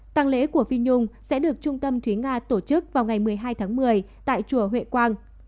tăng lễ của phi nhung sẽ được trung tâm thúy nga tổ chức vào ngày một mươi hai tháng một mươi tại chùa huệ quang